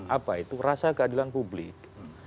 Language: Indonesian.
apa itu rasa keadilan publik